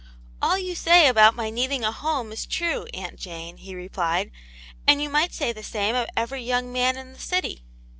" All you say about my needing a home is true, Aunt Jane," he replied, "and you might say the same of every young man in the city.